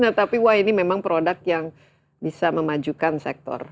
nah tapi wah ini memang produk yang bisa memajukan sektor